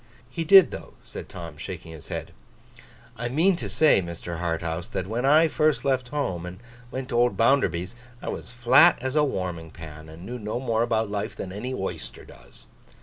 'He did, though,' said Tom, shaking his head. 'I mean to say, Mr. Harthouse, that when I first left home and went to old Bounderby's, I was as flat as a warming pan, and knew no more about life, than any oyster does.